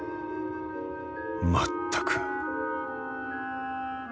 まったく。